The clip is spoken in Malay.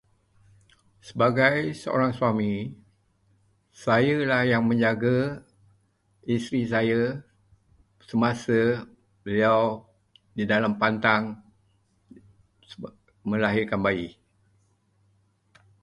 Sebagai seorang suami, sayalah yang menjaga isteri saya semasa beliau di dalam pantang sebab melahirkan bayi.